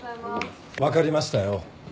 分かりましたよ